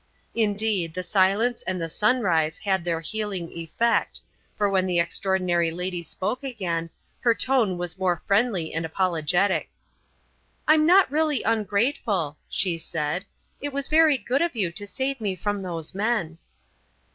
Indeed, the silence and the sunrise had their healing effect, for when the extraordinary lady spoke again, her tone was more friendly and apologetic. "I'm not really ungrateful," she said; "it was very good of you to save me from those men."